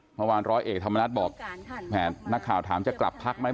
เมื่อวานร้อยเอกธรรมนัฐบอกนักข่าวถามจะกลับพักไหม